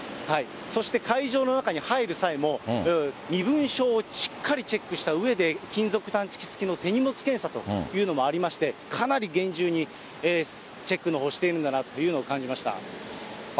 そして会場の中に入る際も、身分証をしっかりチェックしたうえで、金属探知機つきの手荷物検査というのもありまして、かなり厳重にチェックのほうをしているんだなというのを感じまし